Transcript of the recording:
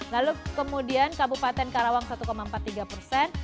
lalu kemudian kabupaten karawang satu empat puluh tiga persen